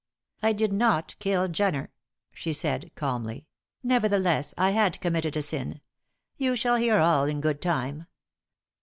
"I did not kill Jenner," she said, calmly. "Nevertheless I had committed a sin; you shall hear all in good time.